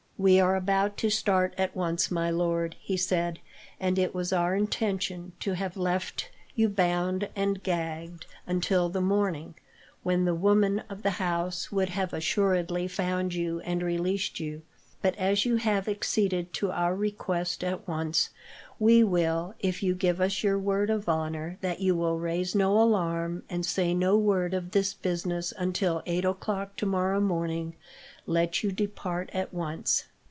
"We are about to start at once, my lord," he said, "and it was our intention to have left you bound and gagged, until the morning, when the woman of the house would have assuredly found you and released you. But, as you have acceded to our request at once, we will, if you give us your word of honour that you will raise no alarm, and say no word of this business until eight o'clock tomorrow morning, let you depart at once."